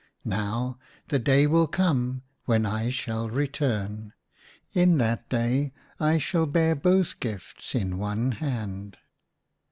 Now, the day will come when I shall Ii6 LIFE'S GIFTS. return. In that day I shall bear both gifts in one hand."